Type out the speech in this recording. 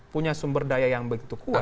punya sumber daya yang begitu kuat